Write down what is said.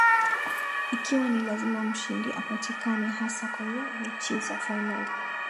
Ikiwa ni lazima mshindi apatikane hasa kwenye mechi za finali